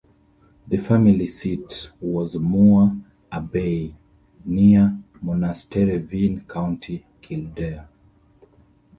The family seat was Moore Abbey, near Monasterevin, County Kildare.